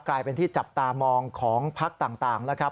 กลายเป็นที่จับตามองของพักต่างนะครับ